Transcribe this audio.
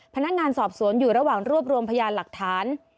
พนักงานสอบสวนอยู่ระหว่างรวบรวมพยานหลักฐาน